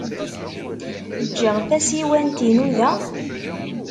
Ǧǧiɣ tasiwant-inu da?